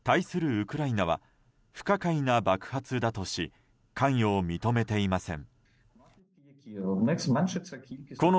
ウクライナは不可解な爆発だとし関与を認めていません。